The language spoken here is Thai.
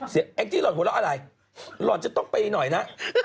แองจี้หล่อนหัวเราะอะไรหล่อนจะต้องไปหน่อยนะ